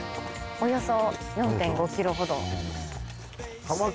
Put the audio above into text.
およそ４．５キロほど。